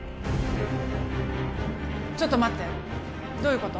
ちょっと待ってどういうこと？